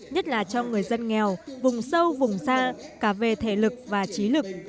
nhất là cho người dân nghèo vùng sâu vùng xa cả về thể lực và trí lực